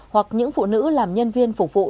hoặc những phụ nữ làm nhân viên phục vụ